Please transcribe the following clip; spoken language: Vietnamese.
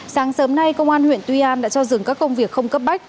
sáng sớm nay công an huyện tuy an đã cho dừng các công việc không cấp bách